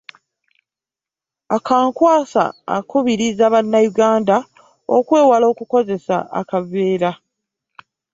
Akankwasa akubirizza bannayuganda okwewala okukozesa akaveera.